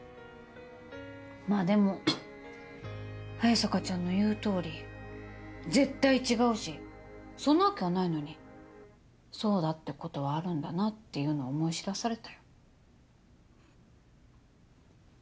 まあでも早坂ちゃんの言うとおり絶対違うしそんなわけはないのにそうだってことはあるんだなっていうのを思い知らされたよ。